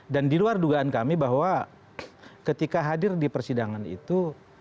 dan di luar dugaan kami bahwa ketika hadir di persidangan itu